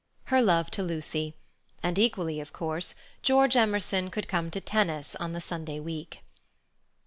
Her love to Lucy. And, equally of course, George Emerson could come to tennis on the Sunday week.